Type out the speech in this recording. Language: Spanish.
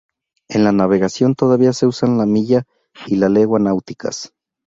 En la navegación todavía se usan la milla y la legua náuticas.